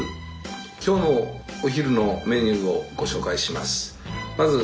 今日のお昼のメニューをご紹介します。